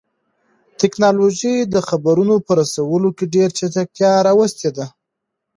تکنالوژي د خبرونو په رسولو کې ډېر چټکتیا راوستې ده.